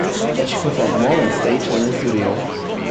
But she performed more in stage than in studio.